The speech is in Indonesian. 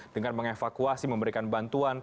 dengan mengevakuasi memberikan bantuan